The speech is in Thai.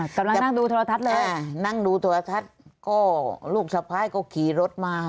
กำลังนั่งดูโทรทัศน์เลยนั่งดูโทรทัศน์ก็ลูกสะพ้ายก็ขี่รถมา